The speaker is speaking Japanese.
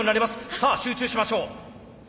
さあ集中しましょう。